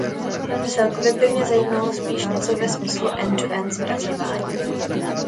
Celkově by mě zajímalo spíš něco ve smyslu end-to-end zpracování.